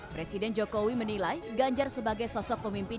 presiden jokowi menilai ganjar sebagai sosok pemimpin